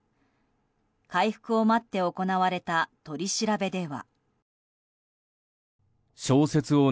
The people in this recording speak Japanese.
回復を待って行われた取り調べでは。